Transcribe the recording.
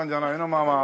ママ。